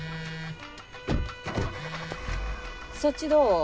そっちどう？